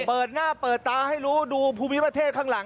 เปิดหน้าเปิดตาให้รู้ดูภูมิประเทศข้างหลัง